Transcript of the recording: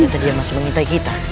tidak dian masih mengintai kita